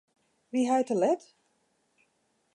Wie hy te let?